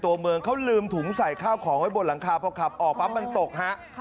ตัวเมืองเขาลืมถุงใส่ข้าวของไว้บนหลังคาพอขับออกปั๊บมันตกฮะ